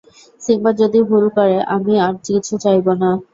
Simba যদি ভুল করে, আমি আর কিছু চাইব না!